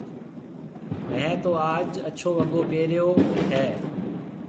ميه تو آج اڇو وگو پيريو هيَ۔